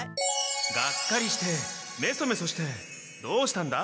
がっかりしてめそめそしてどうしたんだい？